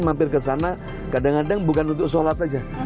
mampir ke sana kadang kadang bukan untuk sholat aja